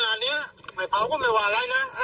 เบื้องต้น๑๕๐๐๐และยังต้องมีค่าสับประโลยีอีกนะครับ